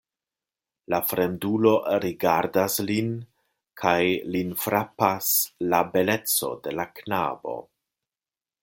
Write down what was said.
La fremdulo rigardas lin kaj lin frapas la beleco de la knabo.